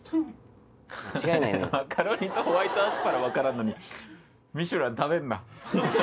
マカロニとホワイトアスパラ分からんのに『ミシュラン』食べるな。